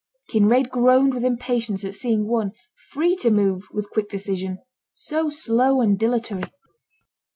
Kinraid groaned with impatience at seeing one, free to move with quick decision, so slow and dilatory.